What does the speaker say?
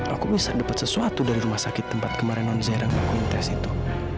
aku bisa dapet sesuatu dari rumah sakit tempat kemarin non zero yang aku intres itu